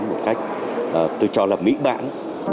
một cách tôi cho là mỹ bản